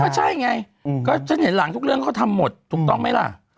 ก็ใช่ไงก็ฉันเห็นหลังทุกเรื่องเขาทำหมดถูกต้องไหมล่ะ